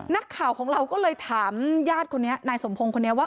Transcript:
นักข่าวของเราก็เลยถามญาติคนนี้นายสมพงศ์คนนี้ว่า